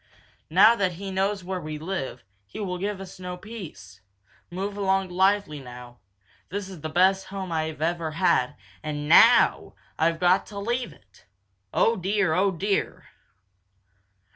Now that he knows where we live, he will give us no peace. Move along lively now! This is the best home I have ever had, and now I've got to leave it. Oh dear! Oh dear!"